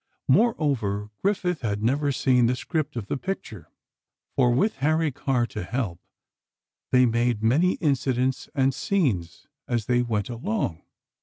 Moreover, Griffith had never seen the script of the picture, for with Harry Carr to help, they made many incidents and scenes as they went along.